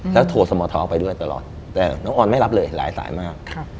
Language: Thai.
แล้วโทรสมท้อไปด้วยตลอดแต่น้องออนไม่รับเลยหลายสายมาก